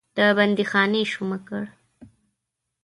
د بندیخانې شومه کړ.